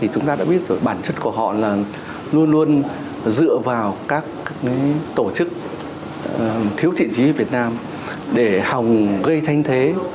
chúng ta đã biết bản chất của họ là luôn luôn dựa vào các tổ chức thiếu thiện trí với việt nam để hòng gây thanh thế